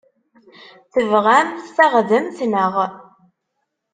Tebɣamt taɣdemt, naɣ?